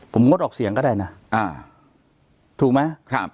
ผมงดออกเสียงก็ได้นะถูกไหมครับ